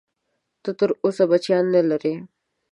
ته تر اوسه بچیان نه لرې؟